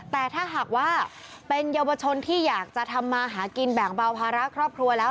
แต่ถ้าหากว่าเป็นเยาวชนที่อยากจะทำมาหากินแบ่งเบาภาระครอบครัวแล้ว